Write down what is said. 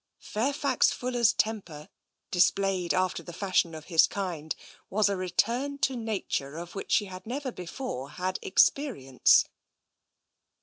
Fairfax Fuller's temper, displayed after the fashion of his kind, was a return to nature of which she had never before had experience.